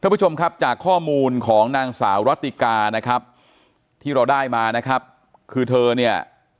ผู้ชมครับจากข้อมูลของนางสาวรัติกานะครับที่เราได้มานะครับคือเธอเนี่ย